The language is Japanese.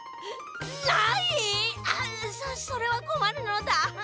そそれはこまるのだ。